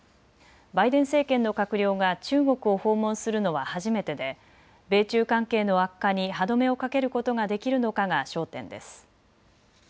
バイデン政権の閣僚が中国を訪問するのは初めてで米中関係の悪化に歯止めをかけることができるのかが焦点です。